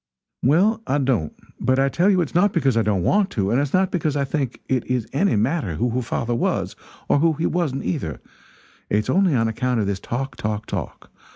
"Well, I don't; but I tell you it's not because I don't want to and it's not because I think it is any matter who her father was or who he wasn't, either; it's only on account of this talk, talk, talk.